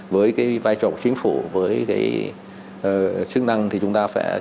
với cái vai trò của chính phủ với cái chức năng thì chúng ta sẽ